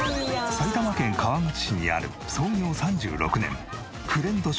埼玉県川口市にある創業３６年フレンドショップオオヤマ。